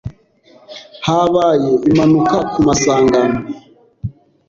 Habaye impanuka ku masangano.